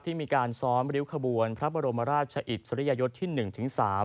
มีการซ้อมริ้วขบวนพระบรมราชอิสริยยศที่๑ถึง๓